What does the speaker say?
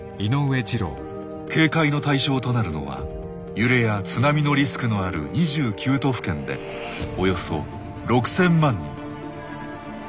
警戒の対象となるのは揺れや津波のリスクのある２９都府県でおよそ６，０００万人。